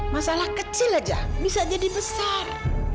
masalah kecil aja bisa jadi besar